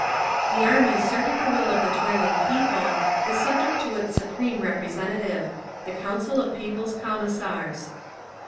The army serving the will of the toiling people is subject to its supreme representative—the Council of People's Commissars.